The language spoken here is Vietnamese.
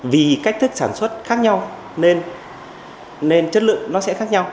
vì cách thức sản xuất khác nhau nên chất lượng nó sẽ khác nhau